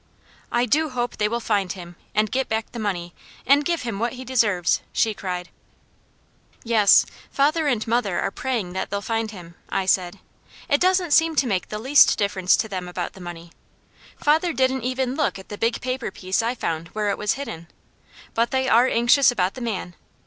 "I do hope they will find him, and get back the money, and give him what he deserves!" she cried. "Yes, father and mother are praying that they'll find him," I said. "It doesn't seem to make the least difference to them about the money. Father didn't even look at a big paper piece I found where it was hidden. But they are anxious about the man.